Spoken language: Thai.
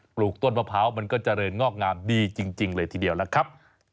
ลูกต้นมะพร้าวมันก็เจริญงอกงามดีจริงเลยทีเดียวนะครับ